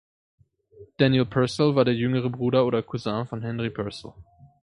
Daniel Purcell war der jüngere Bruder oder Cousin von Henry Purcell.